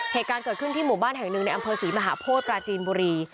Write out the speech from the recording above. เหตุการณ์เกิดขึ้นที่หมู่บ้านแห่งหนึ่งในอำเภอศรีมหาโพธิปราจีนบุรี